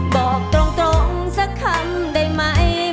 บอกตรงสักคำได้ไหม